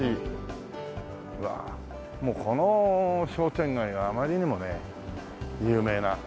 もうこの商店街はあまりにもね有名な。